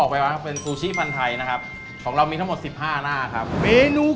กินล้างบางของเราต้องแบบนี้